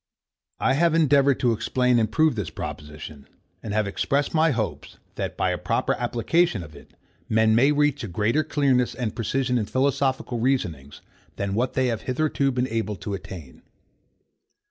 I have endeavoured to explain and prove this proposition, and have expressed my hopes, that, by a proper application of it, men may reach a greater clearness and precision in philosophical reasonings, than what they have hitherto been able to attain.